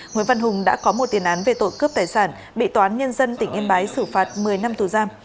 nguyễn văn hùng đã có một tiền án về tội cướp tài sản bị toán nhân dân tỉnh yên bái xử phạt một mươi năm tù giam